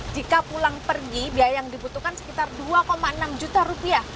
jika pulang pergi biaya yang dibutuhkan sekitar dua enam juta rupiah